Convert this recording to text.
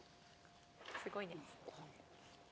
すごいですね。